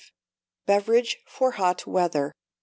Beverage for Hot Weather.